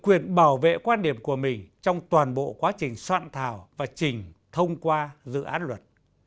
quyền bảo vệ quan điểm của mình trong toàn bộ quá trình soạn thảo và trình thông qua dự án luật